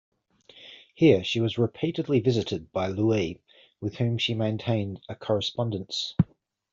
Here she was repeatedly visited by Louis, with whom she maintained a correspondence.